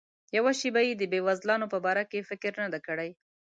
یوه شیبه یې د بېوزلانو په باره کې فکر نه دی کړی.